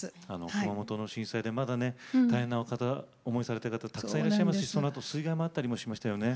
熊本の震災でまだね大変な思いされてる方たくさんいらっしゃいますしそのあと水害もあったりもしましたよね。